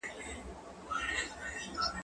زه هره ورځ ښوونځی ځم؟!